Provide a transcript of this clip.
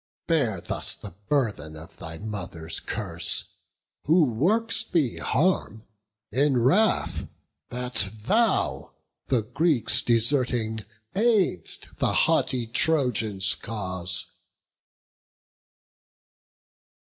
Bear thus the burthen of thy mother's curse, Who works thee harm, in wrath that thou the Greeks Deserting, aid'st the haughty Trojans' cause."